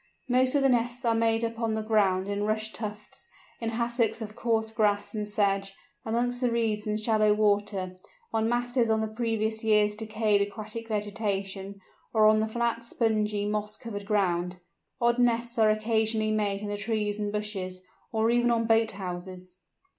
Most of the nests are made upon the ground in rush tufts, in hassocks of coarse grass and sedge, amongst reeds in shallow water, on masses of the previous year's decayed aquatic vegetation, or on the flat, spongy, moss covered ground. Odd nests are occasionally made in the trees and bushes, or even on boat houses.